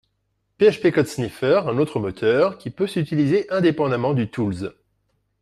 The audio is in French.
PHP Code Sniffer un autre moteur, qui peut s'utiliser indépendement du Tools